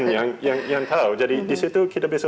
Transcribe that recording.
yang tahu jadi disitu kita bisa